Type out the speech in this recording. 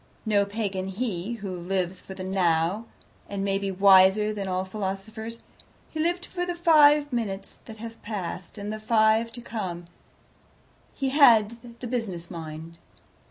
No Pagan he, who lives for the Now, and may be wiser than all philosophers. He lived for the five minutes that have past, and the five to come; he had the business mind.